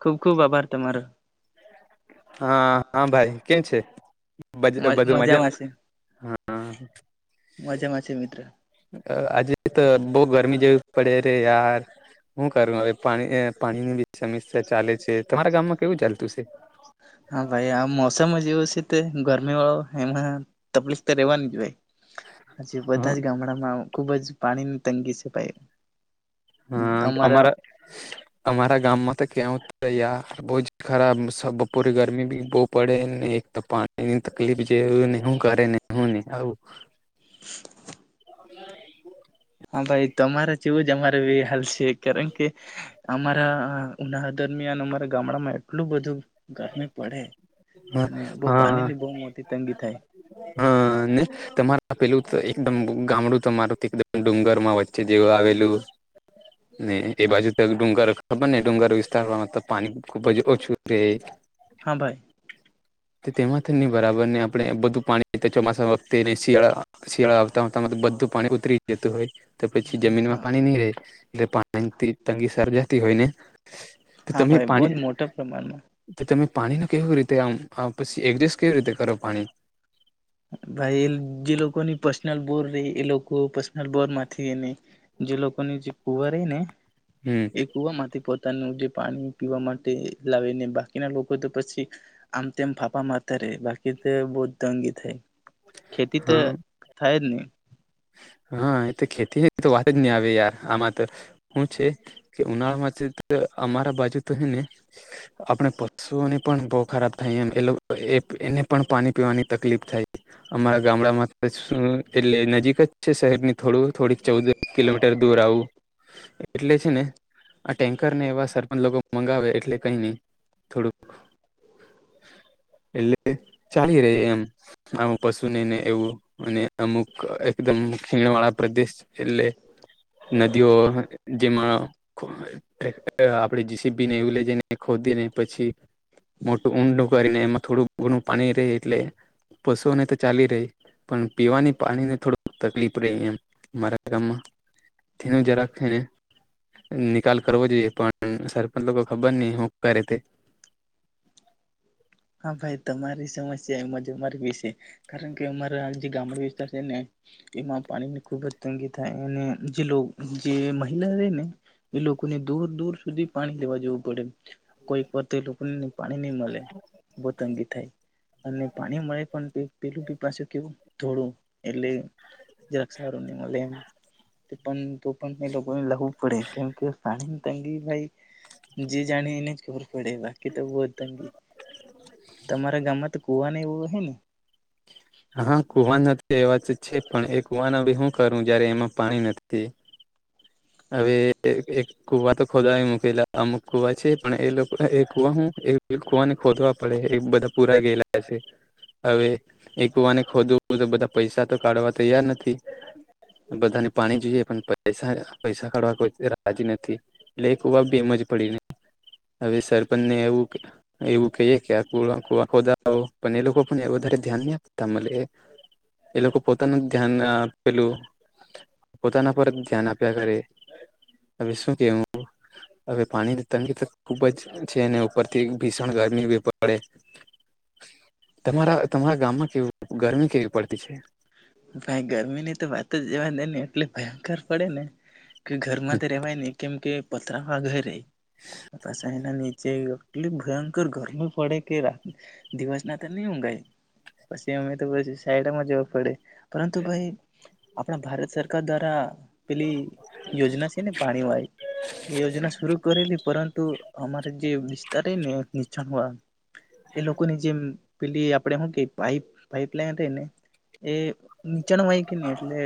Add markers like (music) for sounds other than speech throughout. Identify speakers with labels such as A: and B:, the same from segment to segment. A: ખુબ ખુબ આભાર તમારો.
B: હા હા ભાઈ કેમ છે? બધું મજા
A: મજામાં છે મજામાં છે મિત્ર.
B: આજે તો બહ ગરમી જેવી પડે રે યાર શું કરું હવે પા પાણીની બી સમસ્યા ચાલે છે, તમારા ગામમાં કેવું ચાલતું છે?
A: હા ભાઈ આ મોસમ જેવું છે તે ગરમી વાળો એમાં તકલીફ તો રેવાની જ ભાઈ હજ
B: હા
A: બધા જ ગામડામાં ખુબ પાણી ની તંગી છે ભાઈ.
B: હા અમારા અમારા ગામમાં તો ક્યાં તૈ બ જ ખરાબ બપોરે ગરમીી બહુ પડેને એક તો પાણી ની તકલીફ જે નું કરે ને હું નહીં. (inaudible)
A: હા ભાઈ તમારે જ એવું જ અમારે હાલ છે. છે કારણ કે અમારા ઉનાળા દરમિયાન અમારા ગામડામાં એટલું બધું ગરમી પડે
B: હા
A: અને બહ પાણી
B: હા
A: ની બહુ મોટી તંગી થાય.
B: હા ને તમારા પેલું તો એકદમ ગામડું તોરું એકમ ડુંગર માં વચ્ચે જેવું આવેલું ને એ બાજુ તો ડુંગર ખબર ને ડુંગર વિસ્તારમાં તો પાણી ખુબ જ ઓછું રહે.
A: હા ભાઈ.
B: તેમાંથી નહી બરાબર ને આપણે બધું પાણી ચોમાસા વતે શિયાળા શિયાળા આવતાતા બધું પાણી ઉતરી જતું હોય. તો પછી જમીનમાં
A: હા
B: પાણી નહી રે એટલે પાણી તંગી સર્જાતી હોય ને..
A: હા ભાઈ બહુ જ મોટા પ્રમાણમાં.
B: તો તમે પાણી ન કેવી રીતે આમ પછી એડજસ્ટ કેવી રીતે કરો પાણી
A: ભાઈ એ જે લોકોની પર્સનલ બોર રહી એ લોકો પર્સનલ બોર માંથી એને જે લોકોકની જે પુંવારેને
B: હમ
A: એ કુવા માંથી પોત જે પાણી પીવા માટે લાવી ને બાકીના લોકો તો પછી આમ તેમમ ફાફા મારતા રહેે બાકી તો તંગી થેન્ક ખેતી તો
B: હા
A: થાય જ નહી
B: તે ખેતી તો વાત જ નહી આવે યાર આમાં તો શું છે કે ઉનાળામાં અમારા બાજુ તો છે ને આપણે પશુઓને પણ બહુ ખરાબ થાય એમ એ એ એને પણ પાણી પીવાની તકલીફ થાય છે. અમારા ગામડામાં તો શું એટલે નજીક જ છે શહેરની થોડું થોડીક ચૌદ કિલોમીટર દૂર આવું એટલે છે ને આ ટેન્કરને એવા સરપંચ લોકો મંગાવે એટલે કઈ નહી થોડુંક એટલે ચાલી રહે એમ. આમ પશુ નઈ ને એવું અને અમુક એકદમ ખીણવાળા પ્રદેશ એટલે નદીઓ જેમાં ક અ આપણેે જસી બીને એવું લઈ જઈને ખોદીને પછી મોટું ઊંડું કરીને એમાં થોડું ઘણું પાણી રેડે એટલે પશુઓને તો ચાલી રહી પણ પીવાની પાણી ને થોડુંક તકલીફ રહી એમ મારા ગામમાં તે જરાક થઈને નિકાલ કરવો જોઈએ પણ સરપંચ લોકો ખબર નહી હું કરે તે
A: હા ભાઈ તમારી સમસ્યા એમાં જ અમારી વિશે કારણ કે અમારા જે ગામડા વિસ્તાર છે ને એમાં પાણી ની ખુબ જ તંગી થાય અને જે જે લો મહિલા રહે ને એ લોકોને દૂર દૂર સુધી પાણી લેવા જવું પડે કોઈક વાખતે એ પાણી નઈ મળે તંગી થાય અને પાણી મળે પણ પેલું પાછું કેવું થોડું એટલે જે ક્ષારુંની મળલ તે પણ તો તો પણ એ લોકો લહું પડે કેમ કે પાણી તંગી થા ઈ જી જાણી એને જ ખબર પડે બાકી તો બહુ તંગી તમારા ગામમાં તો કુવા ને એવું હોહે ને
B: હા કુવા એ વા તો છે પણ એ કુવા ના હ હું કરું જયારે એમાં પાણી નથી હવે એ એ એક કુવા તો ખોદવા મૂકેલા અમુક કુવા છે પણ એ લોકો એ કુવા હુ કુવાને ખોદવા પડે એ બધા પુરા ગયેલા છે હવે એ કુવાને ખોદવ તો બધા પૈસા તો કાઢવા તૈયાર નથી બધાને પાણી જોઈએ પણ પૈસા પૈસા કાઢવા કોઈ રા નથી એટલે એ કુવા બીમ જ પડી ન હવે સરપંચને એવું એવું કહીએ કે આ કુવા કુવા ખોદો પણ એ લોકો પણ વધારે દયાન નહીં આપતાં મલે એ લોકો પોતાનું ધ્યાન આ પેલું પોતાના પર ધ્યાન આપ્યા કરે હવે શું કેવું હવે પાણીની તંગી ખુબ જ છે ને ઉપરથી ભીષણ ગરમી પડે તમારા તમારા ગામમાં કેવી ગરમી કેવી પડતી છે.
A: ભાઈ ગરમી ની તો વાત જ જવા દે ને એટલે ભયંકર પડે ને કે ઘરમાં તો રહેવાય નહી કેમ કે પત્રવા ઘરે પ ચાઈના નીચે એટલે ભયંકર ગરમી પડે કે રાત દિવસ ના તો નહી ઊઘાય પછી અમે તો પીસી સાયડામાં જવા પડે. પરંતુ ભાઈ આપણા ભારત સરકાર દ્વારા પેલી યોજના છે ને પાણી વાળી એ યોજના શરુ કરેલી પરંતુ અમારે જે વિસ્તાર છે ને નીચાણ વાળા એ લોકોની જેમ પેલી આપડે હુ કે પાઈપ પાઈપલાઈન રઈ ને એ નીચાણ વાય કે ને એટલે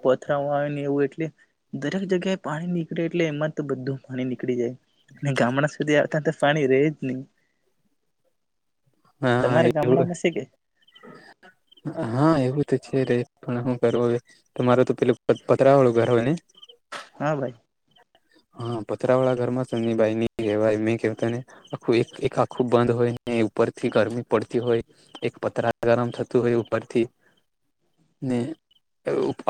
A: પથરાવા આવે ને એવું એટલે દરેક જગ્યાએ પાણી નીકળે એટલે એમાં તો બધું નીકળી જાય અને ગામડા સુધી આવતા આવતા તો પાણી રે જ નહી
B: હા
A: તમારા
B: એવું
A: ગામડામાં છે કે
B: હા એવું તો છે રે પણ હુ કરવું હવે તમારો તો પેલુ પતરા વાળું ઘર હોય ને
A: હા ભાઈ
B: હા પતરા વાળા ઘર માં સનીભાઈ ની કહેવાય મેં કને આખું એક આખું બંધ હોય ને ઉપરથી ગરમી પડતી હોય એક પતરા ગરમ થતું હોય ઉપરથી ને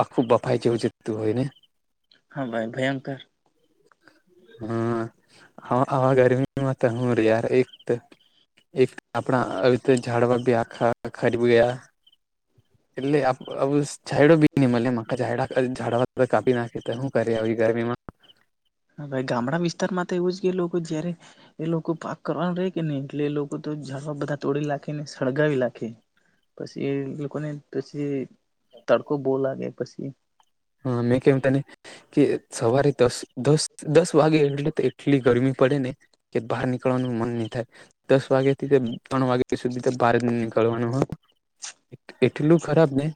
B: આખું બફાઈ જેવું જતું હોય ને
A: હા ભાઈ ભયંકર
B: હા હ હ ગરમીમાં તો હું રે યાર એક તો એક આપણા અવતે ઝાડવા આખા ખરી ગયા એટલેું ઝડો બી નની મલે માઝડડા ઝાડાવા કાપી નાખે તો શું કરી આવી ગરમીમાં
A: હા ભાઈ ગામડા વિસ્તારમાં તો એવું જ કે લોકો જયારે એ લોકો પાક કરવાનું રે કે ને એટલે એ લોકો તો જડવા બધા તોડી લખેને સળગાવી લખે પછી લોકોને પછી તડકો બો લાગે પછી
B: હા મેં કેવ તને કે સવારે દસ દસ દસ વાગે એટલે કેટલી ગરમી પડે ને. કે બહાર નીકળવાનું મન નહી થાય દસ વાગ્યા થી ત્રણ વાગ્યા સુધી બાર નીકળવાનું એટલું ખરાબ ને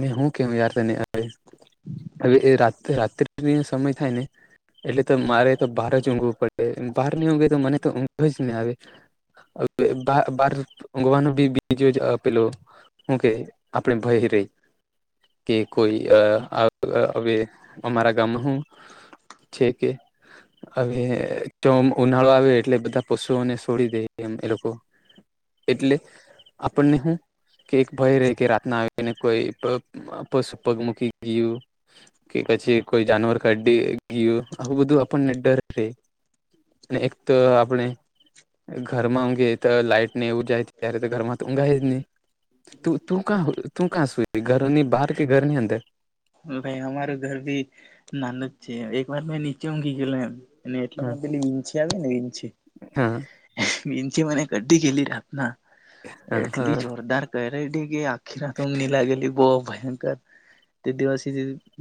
B: મે હું કેવ તને યાર હવે રાત્રિનો સમય થાય ને એટલે તો મારે તો બહાર જ ઊંઘવું પડે બહાર હી ઊઘે તો મને તો ઊંઘ જ નહી આવે બહાર ઊંઘવાનો બી બીજો જ આપેલો હું કે આપણે ભય રહી કે કોઈ હવે અમારા ગામમાં શું છે કે હવે જો ઉનાળો આવે એટલે બધા પશુઓને છોડી દે એમ એ લોકો એટલે આપણને હું કે એક ભય ર કે રાતના આવીને કોઈ પોસું પગમકી ગયું કે પછી કોઈ જાનવર કાઢ ગયું આવું બધું આપણને ડર રહે તો આપણે ઘરમાં ઊંઘે લાઈટ ને એવું જાય ત્યારે તો ઘરમાં તો ઊંઘ આય જ નહી તું ક તું કા સુઈ ઘરની બહાર તે ઘર ની અંદર
A: ભાઈ અમારું ઘર ભી નાનો જ છે એક વાર મેં નીચે ઊંઘી ગે લો એમ અને
B: હા
A: એટલામાં પેલી વિંછી આવે ને વિંછી
B: હા
A: મીંચ મને કડ્ કેલી રાત ના
B: હા હા
A: એટલી જોરદાર ક અરે કે આખી ના તોઊઘની લાગેલી બહુ ભયંકર તે દિવસે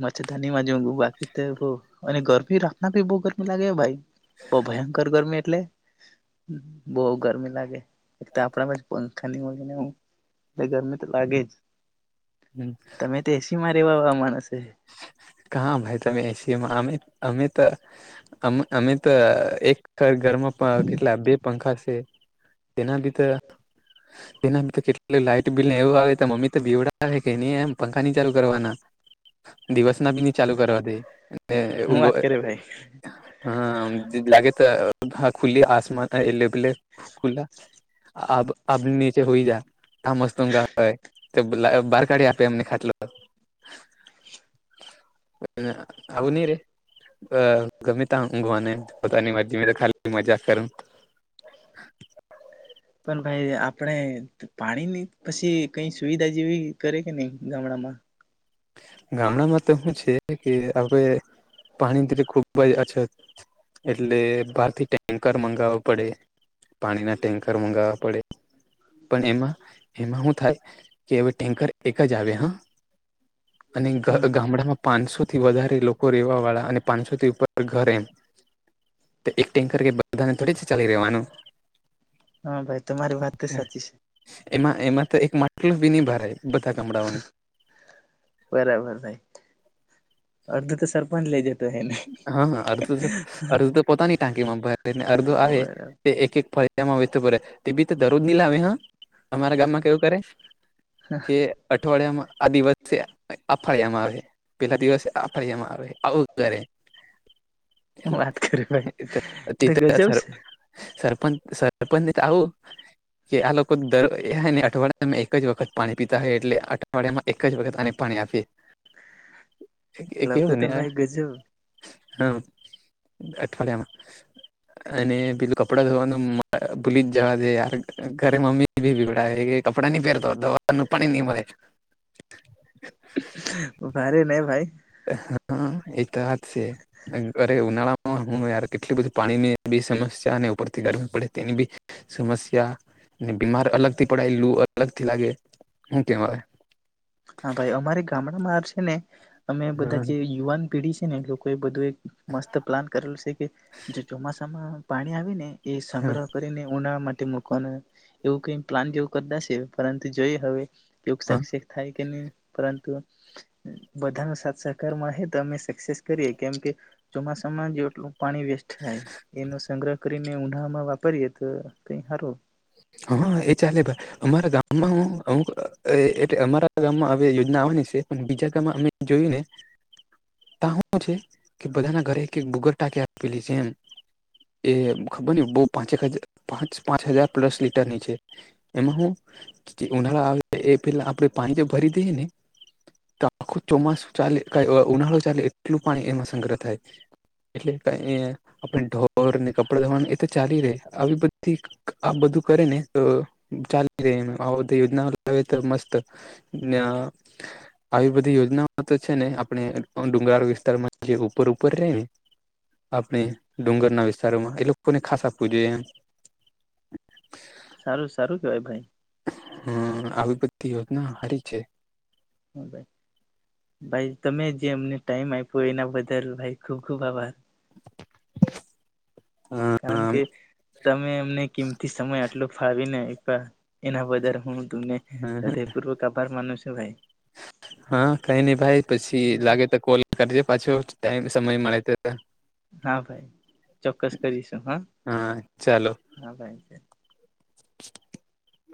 A: મચ્છરદાની માંઘ બાકી તો બ અને ગરમી રાખના ભી બહુ ગરમી લાગે ભાઈ તો ભયંકર ગરમી એટલે. બહવ ગરમી લાગે. એક તો આપણા ખાની વગે એટ ગરમી તો લાગે જ તમે તે એસી માં રેવા નાણાં માણસ છે.
B: કા ભય તમે એશીએ એમાં અમે અમે તો અ અમે એક ઘરમાં કેટલા બે પંખા તેના બી તેના કેટ લાઈટ બિલવું આવે મમ્મી તે વડા કે નહી એમ પંખા નની ચાલુ કરવાના. દિવસ ના બીની ચાલુ કરવા દે એવુ
A: હું
B: ઊંઘો
A: વાત કરે ભાઈ
B: હા લાગે તો હ ખુલી આસમાન એલે પલે ખુલા આબની નીચે હોય જાય. આ મસ્ત ઉંઘ આવકા હે બહાર કાઢી આપે એમને ખાટલો આવું ની રે અ ગમે તઘવાને પોતાની મરજી મે તો ખાલી મજાક કરું
A: પણ ભાઈ આપણે પાણીની પછી કઈ સુવિધા જેવી કરે કે નહી ગામડામાં
B: ગામડામાં તો હુ છે કે હવે પાણીરી ખુબ જ અછત એટલે બારથી ટેન્કર મંગાવવા પડે પાણીના ટેન્કર મંગાવવા પડે પણ એમાં એમાં શું થાય કે હવે ટેન્કર એક જ આવે હા અને
A: હા હા
B: ગામડામાં પાંચસો થી વધારે લોકો રેવા વાળા અને પાંચસોથી ઉપર ઘરે એમ એક ટેન્કર કે બધાને થોડી જ ચાલી રહેવાનું
A: હા ભાઈ તમારી વાત તો સાચી છે
B: એમાં એમાં તો એક માટલ બી ન ભરાય બધા કામડાઓને
A: બરાબર ભાઈ અડધો તો સરપંચ લઈ જતો એને
B: હા અર્ધુ અર્ધુ તો પોતાની ટાંકી માં ભરે ને અર્ધુ આવે
A: બરાબર
B: તે એક એક ફરી તેમાં વતતો તે બી તો દરરોજ ની લાવે હા અમારા ગામમાં કેવું કરે કે અઠવાડિયામાં આ દિવસ છે અ ફાળિયામાં આવે પેલા દિવસે આ ફાળિયામાં આવે (unintelligible)
A: વાત કરે ભાઈ તો ગજબ છે
B: સરપંચને ચાવું કે આ લોકો દરને અઠવાડિયામાં એક જ વખત પાણી પીતા હોય એટલે અઠવાડિયામાં એક જ વખત આને પાણી આપેયે
A: લોકો તો ભાઈ ગજબ
B: હમ્મ અઠવાડિયામાં અને પેલું કપડા ધોવાનું મ ભૂલી જ જવા દે યાર ઘરે મમ્મી ભી બીવડાવે કે કપડાં નહી પહેરતો ધવાનું પાણી નહી મળે
A: ભારે ને ભાઈ
B: હા એ તો વાત છે અરે ઉનાળામાં હું યાર કેટલી બધી પાણી ની બી સમસ્યા અને ઉપરથી ગરમી પડે તેની બી સમસ્યા ને બીમાર અલગ થી પડાયે લુ અલગ થી લાગે શું કેવા આવે
A: હા ભાઈ અમારે ગામડામાં છે ને અમે બધા જે
B: હા
A: યુવાન પેઢી છે ને લોકો એ બધું એક મસ્ત પ્લાન કરેલું છે કે જે ચોમાસામાં પાણી આવીને. એ સંગ્રહ કરીને ઉનામાં. તેમ મુકવાનું એવું કઈ પ્લાન જેવું કરતા છે. પરંતુ જોઈએ હવે. (unintelligible) કે નહીં પરંતુ બધાનો સાથ સહકાર મળે તો અમે સક્સેસ કરીએ કેમ કે ચોમાસામાં જો એટલું પાણી વેસ્ટ થાય એનો સંગ્રહ. કરીને ઊંડામાં વાપરીએ, તો તે કઈ સારું.
B: હા હા, એ ચાલે ભાઈ. અમારા ગામમાં હ અમારા ગામમાં હવે યોજના આવવાની છે. પણ બીજા ગામમાં અમે જોયું ને છે તા હું છે કે બધાના ઘરે એક-એક બુગર ટાંકી આપેલી છે એમ. એ ખબર ને બહુ પાંચેક હજાર પાંચ પાંચ હજાર. પ્લસ લીટરની છે. એમાં હું જે ઉનાળા આવે એ પેલા આપણે પાણી જે ભરી દઈએ ને તો આખું ચોમાસું ચાલે અ ઉનાળો ચાલે એટલું પાણી એમાં સંગ્રહ થાય એટલે કે અ આપણે ઢોરને કપડા ધોવા, એ તો ચાલી રહે આવી બધી. આ બધું કરે ને તો ચાલી રહે એમ આ બધી યોજના લાવે તો મસ્ત ને આવી બધી યોજનાઓ તો છે ને આપણે ડુંગરાળ વિસ્તારમાં જે ઉપર ઉપર રે ને આપણે ડુંગરના વિસ્તારોમા એ લોકોને ખાસ આપવું જોઈએ એમ. (inaudible)
A: સારું સારું, કેવાય ભાઈ.
B: હમ્મ આવી બધી યોજના હારી છે.
A: ભાઈ, તમે જે અમને ટાઈમ આઇપુ, એના બદલ ભાઈ ખુબ ખુબ આભાર. કારણ કે. તમે એમને કિમ તિ સમય આટલો ફાળવીને. એના બદલ હું. ને રદય પૂર્વક આભાર માનું શું. તો ભાઈ.
B: હા, કઈ નહીં ભાઈ પછી લાગે તો કોલ કરજે પાછો. ટાઈમ સમય મળે તો.
A: હા ભાઈ ચોક્કસ કરીશું
B: હા, ચાલો.
A: હા ભાઈ